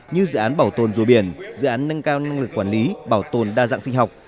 như dự án bảo tồn rùa biển dự án nâng cao năng lực quản lý bảo tồn đa dạng sinh học